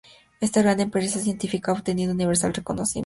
Esta gran empresa científica ha obtenido universal reconocimiento.